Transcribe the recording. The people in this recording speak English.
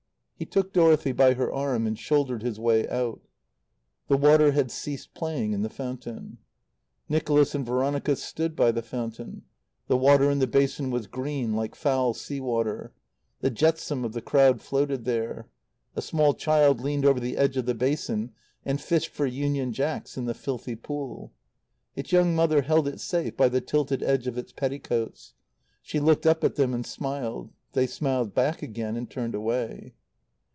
He took Dorothy by her arm and shouldered his way out. The water had ceased playing in the fountain. Nicholas and Veronica stood by the fountain. The water in the basin was green like foul sea water. The jetsam of the crowd floated there. A small child leaned over the edge of the basin and fished for Union Jacks in the filthy pool. Its young mother held it safe by the tilted edge of its petticoats. She looked up at them and smiled. They smiled back again and turned away.